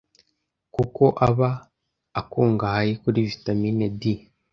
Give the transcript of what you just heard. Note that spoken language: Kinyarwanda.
kuko aba akungahaye kuri vitamin D